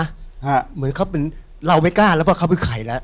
ฮะเหมือนเขาเป็นเราไม่กล้าแล้วก็เขาไปไข่แล้ว